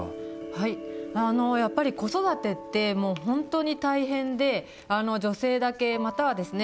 はいやっぱり子育てって本当に大変で女性だけまたはですね